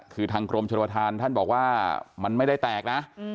คือทางกรมชนประธานท่านบอกว่ามันไม่ได้แตกนะ